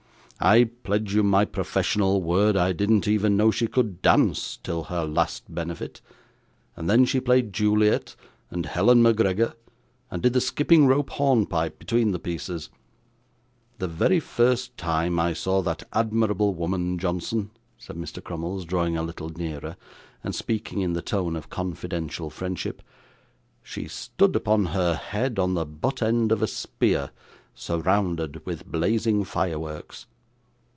'I pledge you my professional word I didn't even know she could dance, till her last benefit, and then she played Juliet, and Helen Macgregor, and did the skipping rope hornpipe between the pieces. The very first time I saw that admirable woman, Johnson,' said Mr. Crummles, drawing a little nearer, and speaking in the tone of confidential friendship, 'she stood upon her head on the butt end of a spear, surrounded with blazing fireworks.